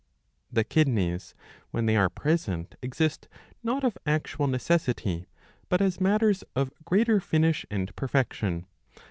The kidneys when they are present exist not of actual necessity, but as matters of greater finish and perfection.